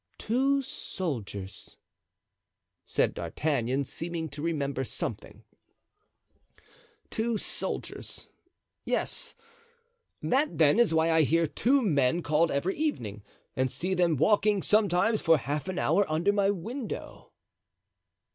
"Two soldiers," said D'Artagnan, seeming to remember something, "two soldiers, yes; that, then, is why I hear two men called every evening and see them walking sometimes for half an hour, under my window."